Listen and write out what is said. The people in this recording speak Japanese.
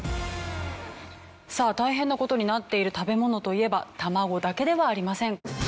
さあ大変な事になっている食べ物といえば卵だけではありません。